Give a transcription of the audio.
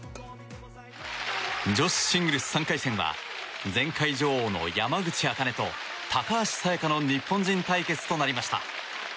女子シングルス３回戦は前回女王の山口茜と高橋沙也加の日本人対決となりました。